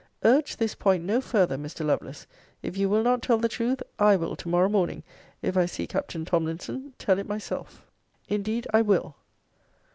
Urge this point no further, Mr. Lovelace. If you will not tell the truth, I will to morrow morning (if I see Captain Tomlinson) tell it myself. Indeed I will.